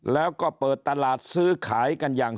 แล้วก็เปิดตลาดซื้อขายกันอย่าง